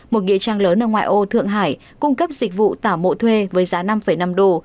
một nghị trang lớn ở ngoài ô thượng hải cung cấp dịch vụ tả mộ thuê với giá năm năm đô